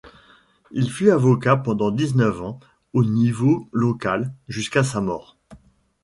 Il fut avocat pendant dix-neuf ans au niveau local jusqu'à sa mort.